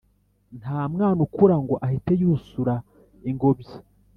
Ntamwana ukurango ahite yusura Ingobyi